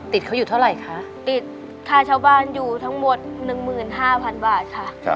ติดเขาอยู่เท่าไหร่คะติดค่าเช่าบ้านอยู่ทั้งหมด๑๕๐๐๐บาทค่ะ